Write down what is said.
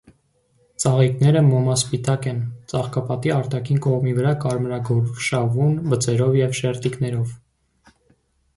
Ծաղիկները մոմասպիտակ են, ծաղկապատի արտաքին կողմի վրա կարմրագորշավուն բծերով և շերտիկներով։